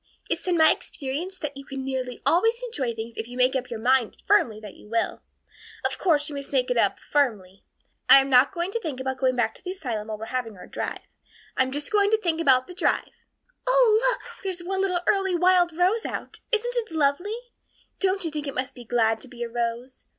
It's been my experience that you can nearly always enjoy things if you make up your mind firmly that you will. Of course, you must make it up firmly. I am not going to think about going back to the asylum while we're having our drive. I'm just going to think about the drive. Oh, look, there's one little early wild rose out! Isn't it lovely? Don't you think it must be glad to be a rose?